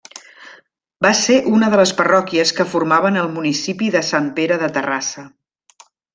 Va ser una de les parròquies que formaven el municipi de Sant Pere de Terrassa.